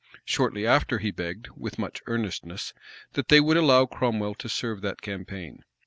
Shortly after, he begged, with much earnestness, that they would allow Cromwell to serve that campaign.